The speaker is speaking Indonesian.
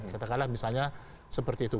katakanlah misalnya seperti itu